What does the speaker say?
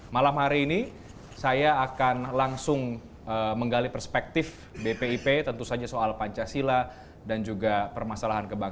malam hari ini saya akan langsung menggali perspektif bpip tentu saja soal pancasila dan juga permasalahan kebangsaan